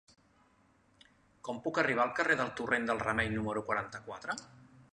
Com puc arribar al carrer del Torrent del Remei número quaranta-quatre?